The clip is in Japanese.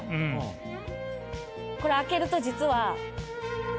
これ開けると実は。